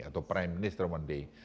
atau prime minister one day